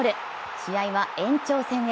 試合は延長戦へ。